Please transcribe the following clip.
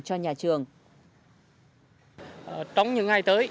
cho nhà trường